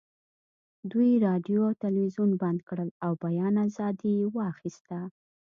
دوی راډیو او تلویزیون بند کړل او بیان ازادي یې واخیسته